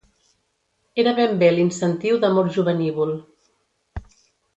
Era ben bé l'incentiu d'amor jovenívol